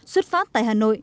xuất phát tại hà nội